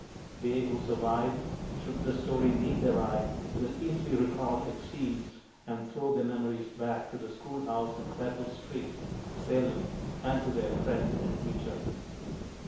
They who survive, should this story meet their eye, will easily recall its scenes and throw their memories back to the schoolhouse in Federal Street, Salem, and to their friend and teacher.